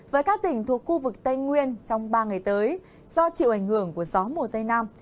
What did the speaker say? với các tỉnh thuộc khu vực tây nguyên trong ba ngày tới do chịu ảnh hưởng của gió mùa tây nam